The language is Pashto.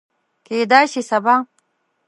کیدای شي سبا